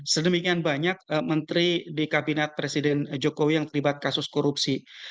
sedemikian banyak menteri di kabinet presiden jokowi yang terlibat kasus korupsi